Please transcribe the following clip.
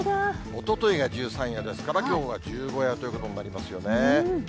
おとといが十三夜ですから、きょうは十五夜ということになりますよね。